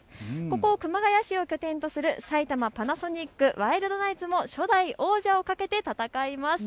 ここ熊谷市を拠点とする埼玉パナソニックワイルドナイツも初代王者を懸けて戦います。